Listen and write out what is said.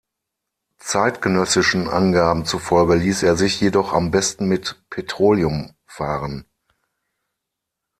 Zeitgenössischen Angaben zufolge ließ er sich jedoch am besten mit Petroleum fahren.